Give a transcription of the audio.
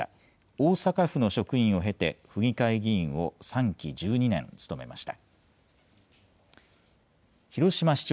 大阪府の職員を経て、府議会議員を３期、１２年務めました。